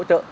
sau đó là